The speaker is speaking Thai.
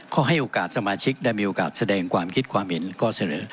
ก็ให้โอกาสสมาชิกได้มีโอกาสแสดงความคิดความเห็นข้อเสนอ